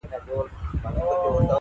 څوک یې ژړولي پرې یا وړی یې په جبر دی,